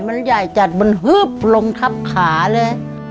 มันใหญ่จัดมันฮึบลงทับขาเลย